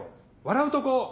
笑うとこ。